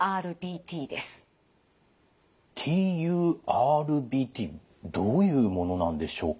ＴＵＲＢＴどういうものなんでしょうか？